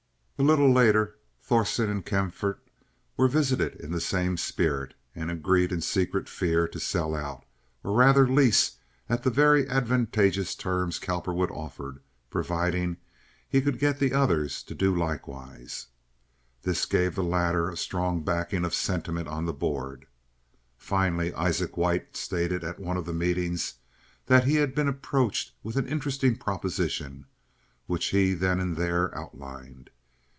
A little later Thorsen and Kaempfaert were visited in the same spirit, and agreed in secret fear to sell out, or rather lease at the very advantageous terms Cowperwood offered, providing he could get the others to do likewise. This gave the latter a strong backing of sentiment on the board. Finally Isaac White stated at one of the meetings that he had been approached with an interesting proposition, which he then and there outlined.